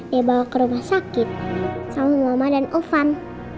dia bawa ke rumah sakit sama mama dan ovan